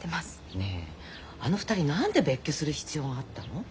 ねえあの２人何で別居する必要があったの？